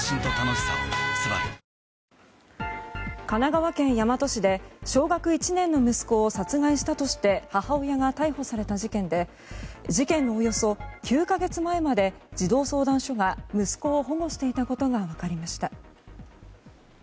神奈川県大和市で小学１年の息子を殺害したとして母親が逮捕された事件で事件のおよそ９か月前まで児童相談所が息子を保護していたことがわかりました。